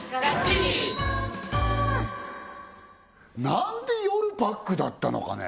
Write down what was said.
何で夜パックだったのかね？